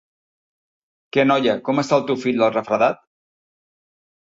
Què, noia, com està el teu fill del refredat?